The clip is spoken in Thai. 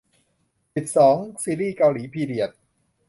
สิบสอง ซีรีส์เกาหลีพีเรียด